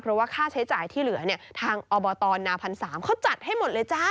เพราะว่าค่าใช้จ่ายที่เหลือเนี่ยทางอบตนาพันสามเขาจัดให้หมดเลยจ้า